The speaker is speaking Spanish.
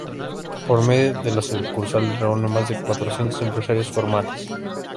Por medio de las sucursales reúne más de cuatrocientos empresarios formales.